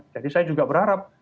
jadi saya juga berharap